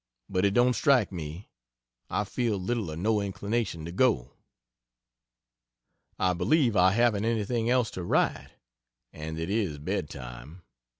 But it don't strike me I feel little or no inclination to go. I believe I haven't anything else to write, and it is bed time.